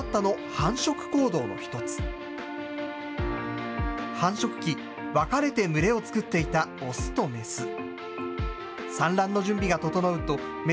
繁殖期、分かれて群れを作っていた雄と雌。